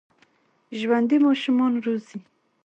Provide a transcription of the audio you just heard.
ژوندي ماشومان روزي